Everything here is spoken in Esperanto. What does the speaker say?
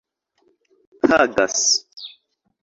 pagas